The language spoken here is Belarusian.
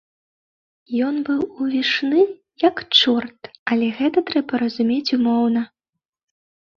Ён быў увішны, як чорт, але гэта трэба разумець умоўна.